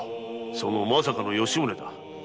その“まさか”の吉宗だ。